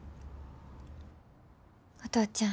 お父ちゃん。